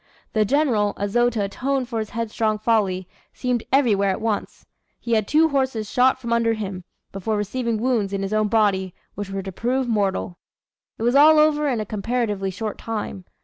The general, as though to atone for his headstrong folly, seemed everywhere at once. He had two horses shot from under him, before receiving wounds in his own body, which were to prove mortal. It was all over in a comparatively short time.